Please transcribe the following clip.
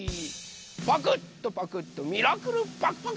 パクッとパクッとミラクルパクパク！